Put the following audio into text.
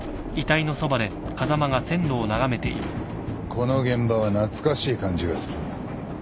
・この現場は懐かしい感じがする。